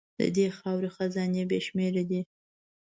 د دې خاورې خزانې بې شمېره دي.